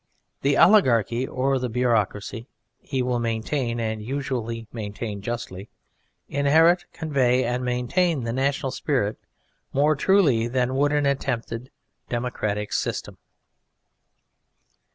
The oligarchy or the bureaucracy" (he will maintain, and usually maintain justly) "inherit, convey, and maintain the national spirit more truly than would an attempted democratic system."